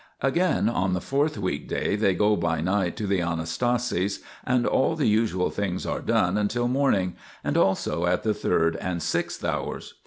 Again, on the fourth : weekday they go by night to the Anastasis, and all the usual things are done until morning, and also at the third and sixth hours.